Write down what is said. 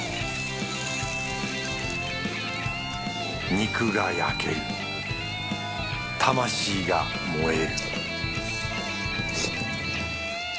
肉が焼ける魂が燃える